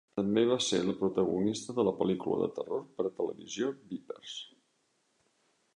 També va ser la protagonista de la pel·lícula de terror per a televisió "Vipers".